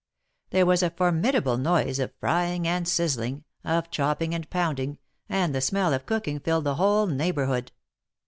There was a formidable noise of frying and sizzling — of chopping and pounding, and the smell of cooking filled the whole neighborhood.